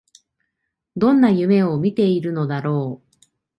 どんな夢を見ているのだろう